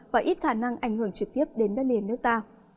và ít khả năng ảnh hưởng trực tiếp đến đất liền nước ta